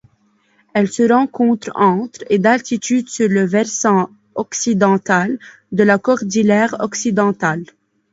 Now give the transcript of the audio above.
Elle se rencontre entre et d'altitude sur le versant occidental de la cordillère Occidentale.